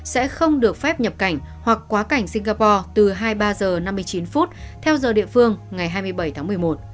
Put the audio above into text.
sẽ không được phép nhập cảnh hoặc quá cảnh singapore từ hai mươi ba h năm mươi chín theo giờ địa phương ngày hai mươi bảy tháng một mươi một